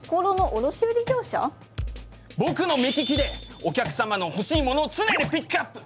僕の目利きでお客様の欲しいものを常にピックアップ！